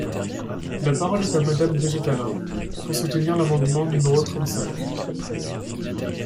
La parole est à Madame Brigitte Allain, pour soutenir l’amendement numéro trente-cinq.